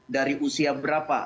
dari usia berapa